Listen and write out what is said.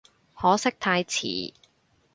可惜太遲